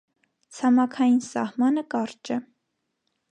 Ցամաքային սահմանը կարճ է։